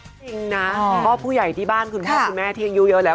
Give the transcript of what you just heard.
เป็นจริงนะพ่อผู้ใหญ่ที่บ้านคุณพ่อคุณแม่เตี้ยงจริงเลย